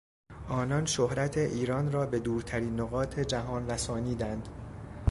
آنان شهرت ایران را به دورترین نقاط جهان رسانیدند.